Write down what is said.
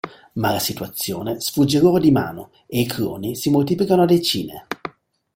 Ma la situazione sfugge loro di mano e i cloni si moltiplicano a decine!